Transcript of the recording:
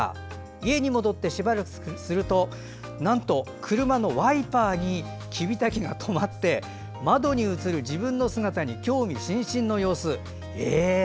家に戻って、しばらくするとなんと車のワイパーにキビタキがとまって窓に映る自分の姿に興味津々の様子。